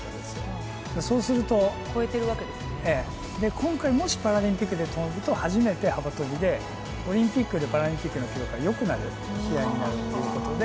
今回もしパラリンピックで跳ぶと初めて幅跳びでオリンピックよりパラリンピックの記録がよくなる試合になるっていうことで。